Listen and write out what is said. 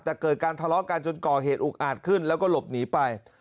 แต่เกิดการทะเลาะกันจนก่อเหตุอุกอาจขึ้นแล้วก็หลบหนีไป